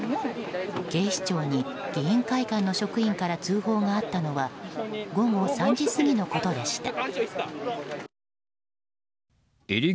警視庁に議員会館の職員から通報があったのは午後３時過ぎのことでした。